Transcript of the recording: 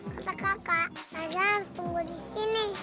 kata kakak tarzan harus tunggu di sini